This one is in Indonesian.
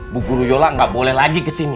bu guru yola nggak boleh lagi ke sini